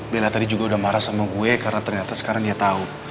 bella tadi juga udah marah sama gue karena ternyata sekarang dia tahu